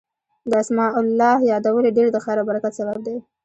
د اسماء الله يادول ډير د خير او برکت سبب دی